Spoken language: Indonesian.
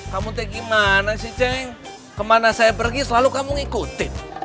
kamu teh gimana sih ceng kemana saya pergi selalu kamu ngikutin